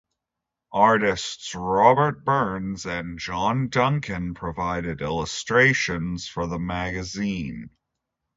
Artists Robert Burns and John Duncan provided illustrations for the magazine.